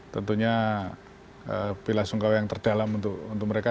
tentunya bela sungkawa yang terdalam untuk mereka